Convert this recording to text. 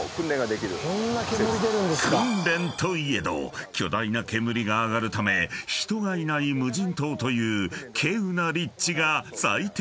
［訓練といえど巨大な煙が上がるため人がいない無人島という稀有な立地が最適だったのだ］